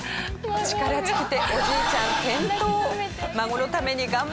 力尽きておじいちゃん転倒。